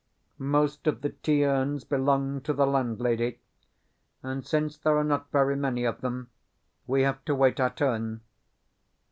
Most of the tea urns belong to the landlady; and since there are not very many of them, we have to wait our turn.